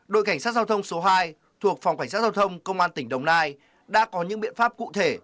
đội cảnh sát giao thông số hai thuộc phòng cảnh sát giao thông công an tỉnh đồng nai đã có những biện pháp cụ thể